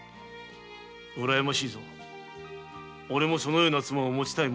うらやましいぞおれもそのような妻を持ちたいものだ。